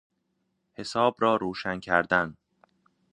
حساب را روشن کردن